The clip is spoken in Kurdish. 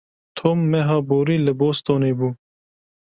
Tom meha borî li Bostonê bû.